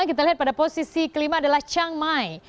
kita lihat pada posisi kelima adalah chang mai